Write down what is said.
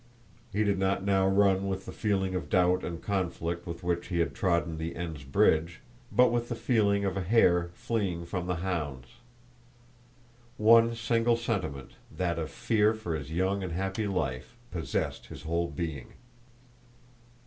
He did not now run with the feeling of doubt and conflict with which he had trodden the Enns bridge, but with the feeling of a hare fleeing from the hounds. One single sentiment, that of fear for his young and happy life, possessed his whole being.